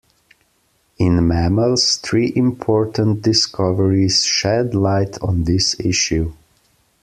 In mammals, three important discoveries shed light on this issue.